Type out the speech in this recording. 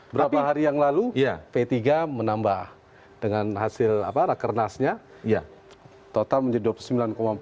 berapa hari yang lalu p tiga menambah dengan hasil rakernasnya total menjadi dua puluh sembilan empat puluh